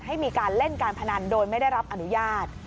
ให้มีการเล่นการพนันโดยไม่ได้รับอนุญาต